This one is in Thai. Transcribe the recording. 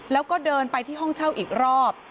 แล้วก็เดินไปที่ห้องเช่าอีกรอบ